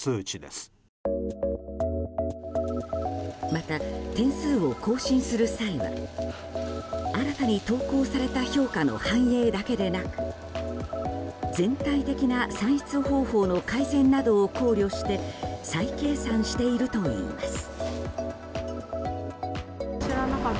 また、点数を更新する際は新たに投稿された評価の反映だけでなく全体的な算出方法の改善などを考慮して再計算しているといいます。